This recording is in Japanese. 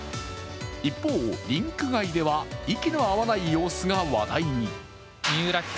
一方、リンク外では息の合わない様子が話題に。